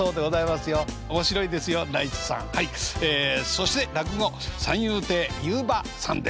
そして落語三遊亭遊馬さんです。